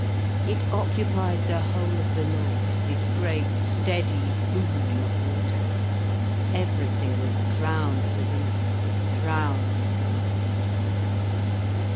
It occupied the whole of the night, this great steady booming of water, everything was drowned within it, drowned and lost.